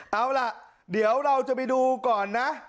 เอาล่ะเดี๋ยวเราจะไปดูก่อนนะ